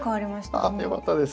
あよかったです。